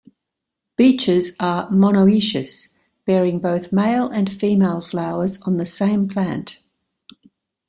Beeches are monoecious, bearing both male and female flowers on the same plant.